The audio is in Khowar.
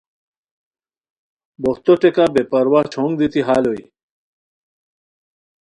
بوہتو ٹیکہ بے پرواہ چونگ دیتی ہال ہوئے